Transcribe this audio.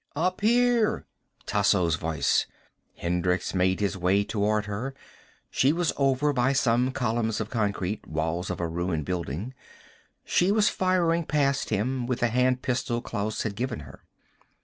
"Up here!" Tasso's voice. Hendricks made his way toward her. She was over by some columns of concrete, walls of a ruined building. She was firing past him, with the hand pistol Klaus had given her.